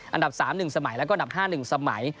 อันดับ๓หนึ่งสมัยแล้วก็อันดับ๕หนึ่งสมัย